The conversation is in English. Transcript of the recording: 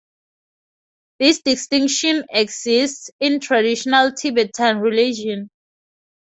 This distinction exists in traditional Tibetan religion.